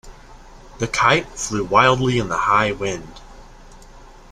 The kite flew wildly in the high wind.